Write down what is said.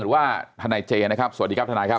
หรือว่าทนายเจนะครับสวัสดีครับทนายครับ